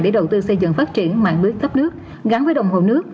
để đầu tư xây dựng phát triển mạng lưới cấp nước gắn với đồng hồ nước